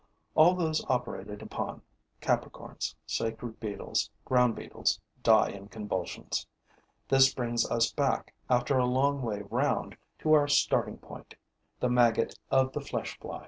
All those operated upon, Capricorns, sacred beetles, ground beetles, die in convulsions. This brings us back, after a long way round, to our starting point, the maggot of the flesh fly.